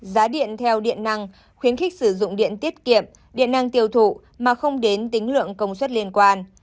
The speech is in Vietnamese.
giá điện theo điện năng khuyến khích sử dụng điện tiết kiệm điện năng tiêu thụ mà không đến tính lượng công suất liên quan